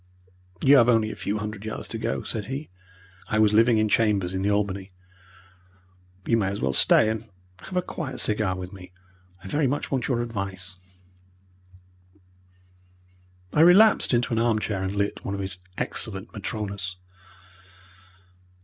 "You have only a few hundred yards to go," said he I was living in chambers in the Albany. "You may as well stay and have a quiet cigar with me. I very much want your advice." I relapsed into an arm chair and lit one of his excellent Matronas.